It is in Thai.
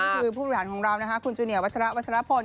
นี่คือผู้หลานของเราคุณจูเนียวัชรพล